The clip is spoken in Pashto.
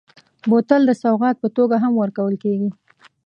بوتل د سوغات په توګه هم ورکول کېږي.